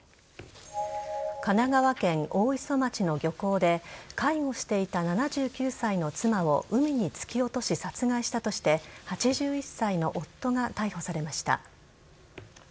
神奈川県大磯町の漁港で介護していた７９歳の妻を海に突き落とし、殺害したとして８１歳の夫が逮捕されました。